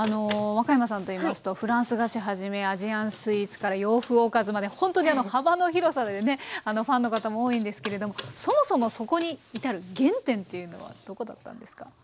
若山さんといいますとフランス菓子はじめアジアンスイーツから洋風おかずまでほんとに幅の広さでねファンの方も多いんですけれどもそもそもそこに至る原点っていうのはどこだったんですか？